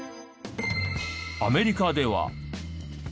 アメリカでは。